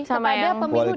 sama yang kualitas